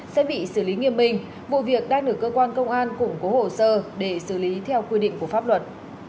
sẽ bị xử lý nghiêm minh vụ việc đang được cơ quan công an củng cố hồ sơ để xử lý theo quy định của pháp luật